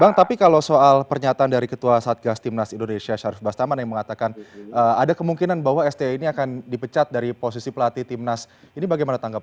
bang tapi kalau soal pernyataan dari ketua satgas timnas indonesia syarif bastaman yang mengatakan ada kemungkinan bahwa sti ini akan dipecat dari posisi pelatih timnas ini bagaimana tanggapan